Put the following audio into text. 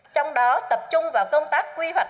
trong đó tập trung vào công tác quy hoạch